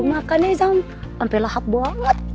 makannya sampe lahap banget